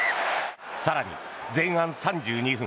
更に前半３２分。